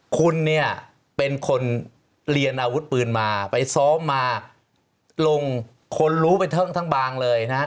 คุณเนี่ยเป็นคนเรียนอาวุธปืนมาไปซ้อมมาลงคนรู้ไปทั้งบางเลยนะฮะ